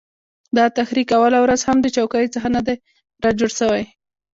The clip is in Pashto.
دا تحریک اوله ورځ هم د چوکیو څخه نه دی را جوړ سوی